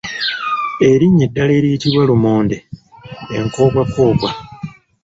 Erinnya eddala eriyitibwa lumonde enkoobwakoobwa.